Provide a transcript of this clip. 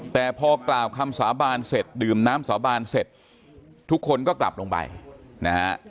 แต่พอกล่าวคำสาบานเสร็จดื่มน้ำสาบานเสร็จทุกคนก็กลับลงไปนะฮะ